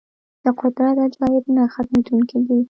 د قدرت عجایب نه ختمېدونکي دي.